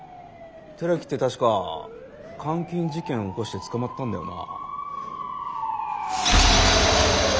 寺木って確か監禁事件起こして捕まったんだよな。